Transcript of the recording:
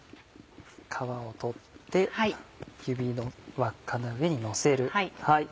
皮を取って指の輪っかの上にのせる。